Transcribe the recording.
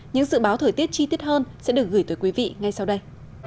những dự báo thời tiết chi tiết hơn sẽ được gửi tới quý vị ngay sau đây